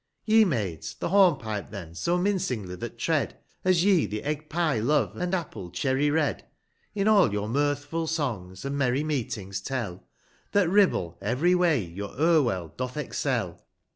Ye Maids, tlie 1 lorn pipe then, so niincingly that tread, 125 As ye the Egg pie love, and Apple cherry red ; In all your mirthful songs, and merry meetings tell, That RUMl every way your KrvtU doth excfll.